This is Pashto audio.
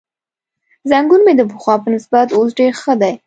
زنګون مې د پخوا په نسبت اوس ډېر ښه دی.